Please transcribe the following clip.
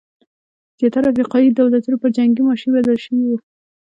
زیاتره افریقايي دولتونه پر جنګي ماشین بدل شوي وو.